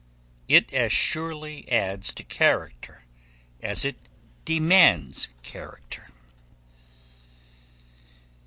It as surely adds to character as it demands character.